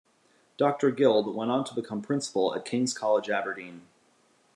Doctor Guild went on to become principal at King's College, Aberdeen.